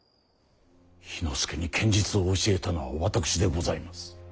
氷ノ介に剣術を教えたのは私でございます。